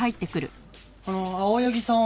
あの青柳さんは？